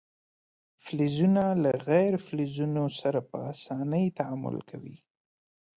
فلزونه له غیر فلزونو سره په اسانۍ تعامل کوي.